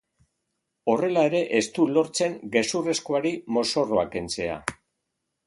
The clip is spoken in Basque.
Horrela ere ez du lortzen gezurrezkoari mozorroa kentzea.